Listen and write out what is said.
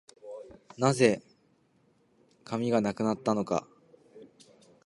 何故、紙がなくなったのか